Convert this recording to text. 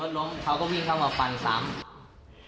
ล้มเขาก็วิ่งเข้ามาฟันซ้ำ